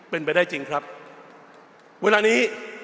เป็นไปได้จริงครับเวลานี้